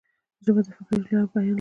ژبه د فکري بیان لار ده.